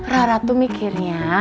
rara tuh mikirnya